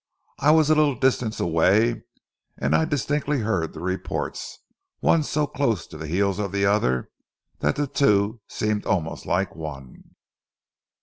I was a little distance away, and I distinctly heard the reports, one so close on the heels of the other that the two seemed almost like one."